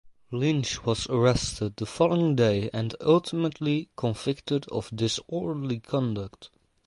Lynch was arrested the following day and ultimately convicted of disorderly conduct.